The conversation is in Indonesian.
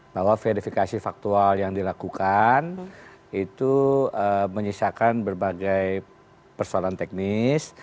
bahwa verifikasi faktual yang dilakukan itu menyisakan berbagai persoalan teknis